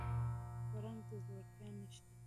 پړانګ د زړورتیا نښه ده.